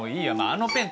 あのペン？